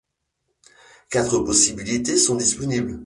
Quatre possibilités sont disponibles.